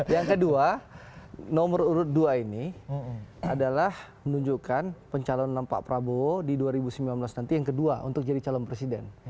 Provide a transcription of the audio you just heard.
yang kedua nomor urut dua ini adalah menunjukkan pencalonan pak prabowo di dua ribu sembilan belas nanti yang kedua untuk jadi calon presiden